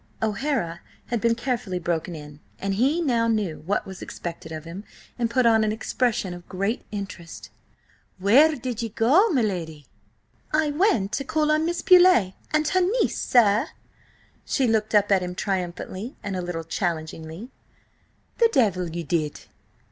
O'Hara had been carefully broken in, and he now knew what was expected of him, and put on an expression of great interest. "Where did ye go, my lady?" "I went to call on Miss Beauleigh and her niece, sir!" She looked up at him triumphantly and a little challengingly. "The devil ye did!"